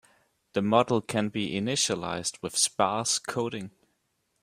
The model can be initialized with sparse coding.